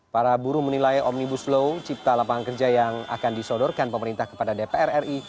para buruh menilai omnibus law cipta lapangan kerja yang akan disodorkan pemerintah kepada dpr ri